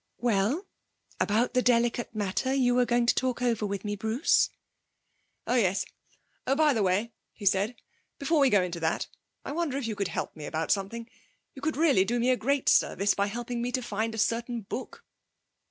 'Well about the delicate matter you were going to talk over with me, Bruce?' 'Oh yes. Oh, by the way,' he said, 'before we go into that, I wonder if you could help me about something? You could do me a really great service by helping me to find a certain book.'